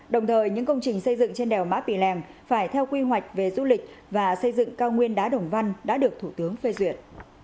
đồng thời những công trình xây dựng trên đèo mã pì lèng phải theo quy hoạch về du lịch và xây dựng cao nguyên đá đồng văn đã được thủ tướng phê duyệt